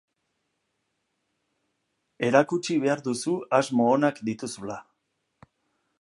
Erakutsi behar duzu asmo onak dituzula.